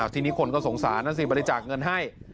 ทีนี้คนก็สงสารนะสิบริจาคเงินให้